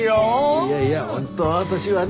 いやいや本当は私はね